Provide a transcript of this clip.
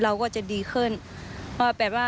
ยึดมั่นในหลักธรรมที่พระครูบาบุญชุมท่านได้สอนเอาไว้ค่ะ